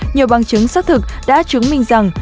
nhiều bằng chứng xác thực đã chứng minh rằng